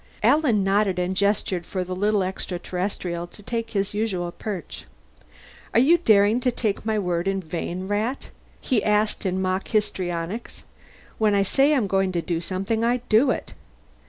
Alan nodded and gestured for the little extra terrestrial to take his usual perch. "Are you daring to take my word in vain, Rat?" he asked in mock histrionics. "When I say I'm going to do something, I do it."